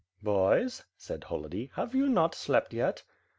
"Boys," said Holody, "have you not slept yet?"